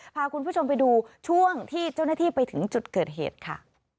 พาคุณผู้ชมไปดูช่วงที่เจ้าหน้าที่ไปถึงจุดเกิดเหตุค่ะ